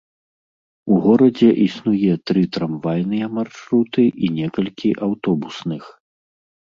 У горадзе існуе тры трамвайныя маршруты і некалькі аўтобусных.